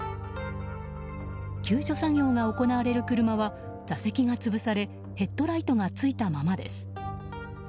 救助作業が行われる車は座席が潰されヘッドライトがついたままです。